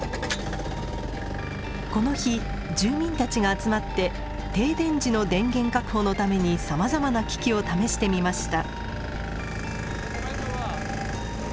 この日住民たちが集まって停電時の電源確保のためにさまざまな機器を試してみました。